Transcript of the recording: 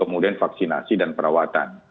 kemudian vaksinasi dan perawatan